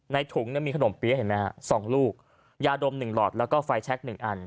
ในถุงเนี้ยมีขนมเปี๊ยะเห็นไหมฮะสองลูกยาดมหนึ่งหลอดแล้วก็ไฟแชคหนึ่งอัน